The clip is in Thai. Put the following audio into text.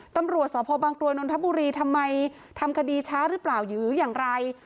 ตำรวจสพบางกรวยนนทบุรีทำไมทำคดีช้าหรือเปล่าหรืออย่างไร